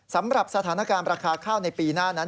สำหรับสถานการณ์ราคาข้าวในปีหน้านั้น